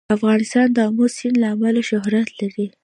افغانستان د آمو سیند له امله شهرت لري.